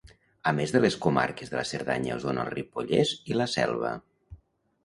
A més de les comarques de la Cerdanya, Osona, el Ripollès i la Selva.